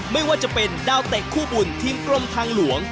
ไม่ว่าจะเป็นดาวเตะคู่บุญทีมกรมทางหลวง